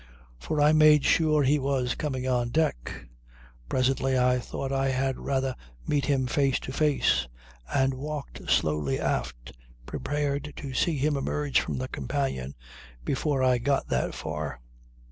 For I made sure he was coming on deck. Presently I thought I had rather meet him face to face and I walked slowly aft prepared to see him emerge from the companion before I got that far.